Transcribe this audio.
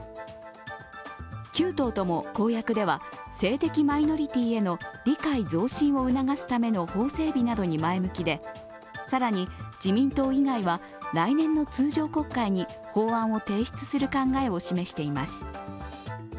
９党とも公約では性的マイノリティーへの理解増進を促すための法整備などに前向きで更に自民党以外は来年の通常国会に法案を提出する考えを示しています。